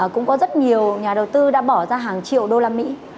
cũng có rất nhiều nhà đầu tư đã bỏ ra hàng triệu usd